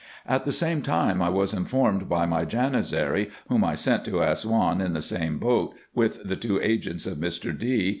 At the same time I was informed by my Janizary, whom I sent to Assouan in the same boat with the two agents of Mr. D.